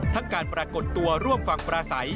การปรากฏตัวร่วมฟังปราศัย